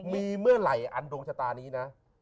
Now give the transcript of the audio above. มีเมื่อไหร่อันดวงชะตานี้นะ